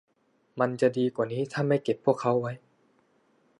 มันจะดีกว่านี้ถ้าไม่เก็บพวกเขาไว้